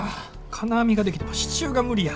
金網ができても支柱が無理や。